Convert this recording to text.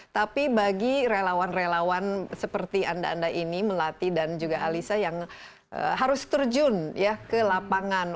tapi bagi relawan relawan seperti anda anda ini melati dan juga alisa yang harus terjun ke lapangan